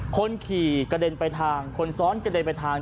คนขี่กระเด็นไปทางคนซ้อนกระเด็นไปทาง